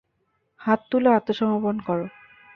হাত তুলে আত্মসমর্পণ করো!